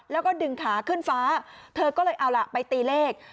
แล้วก็ดึงขาขึ้นฟ้าเธอก็เลยเอาล่ะไปตีเลข